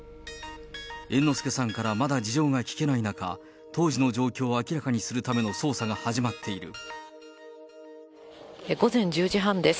猿之助さんからまだ事情が聴けない中、当時の状況を明らかにする午前１０時半です。